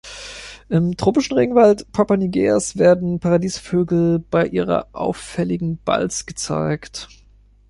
Im tropischen Regenwald Papua-Neuguineas werden Paradiesvögel bei ihrer auffälligen Balz gezeigt.